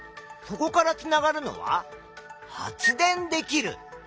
そこからつながるのは「発電できる」。